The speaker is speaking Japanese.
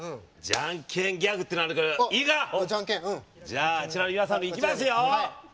じゃああちらの皆さんいきますよ！